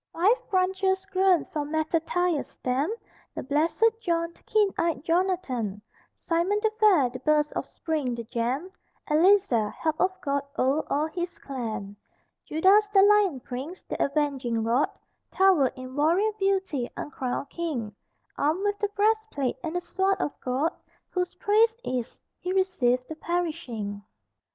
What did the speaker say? Five branches grown from Mattathias' stem, The Blessed John, the Keen Eyed Jonathan, Simon the fair, the Burst of Spring, the Gem, Eleazar, Help of God; o'er all his clan Judas the Lion Prince, the Avenging Rod, Towered in warrior beauty, uncrowned king, Armed with the breastplate and the sword of God, Whose praise is: "He received the perishing."